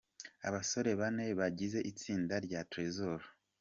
Abasore bane bagize itsinda rya Trezzor.